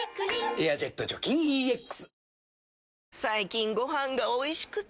「エアジェット除菌ＥＸ」最近ご飯がおいしくて！